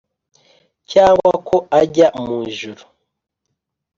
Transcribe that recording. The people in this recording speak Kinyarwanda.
cyangwa ko ajya mu ijuru